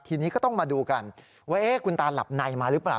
ทีนี้ก็ต้องมาดูกันว่าคุณตาหลับในมาหรือเปล่า